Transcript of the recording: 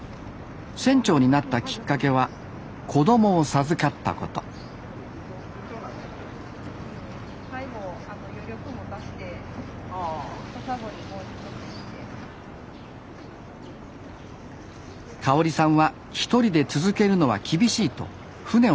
船長になったきっかけは子供を授かったことかおりさんは一人で続けるのは厳しいと舟を手放すつもりでした。